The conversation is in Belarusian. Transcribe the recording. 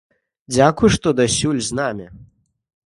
Дзякуй, што дасюль з намі.